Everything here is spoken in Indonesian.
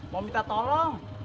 mau minta tolong